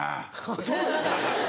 そうですか。